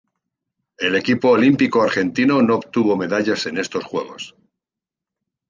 El equipo olímpico argentino no obtuvo medallas en estos Juegos.